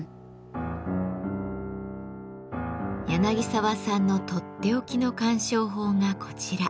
澤さんのとっておきの鑑賞法がこちら。